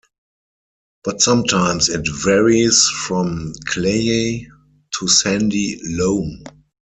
But sometimes it varies from clayey to sandy loam.